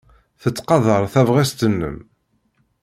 Tettqadar tabɣest-nnem.